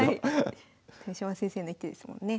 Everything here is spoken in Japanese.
豊島先生の一手ですもんね。